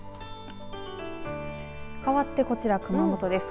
かわって、こちら熊本です。